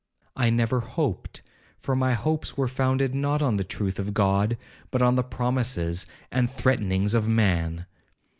I never hoped, for my hopes were founded not on the truth of God, but on the promises and threatenings of man.